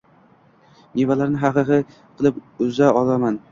Mevalarni qanday qilib uza olaman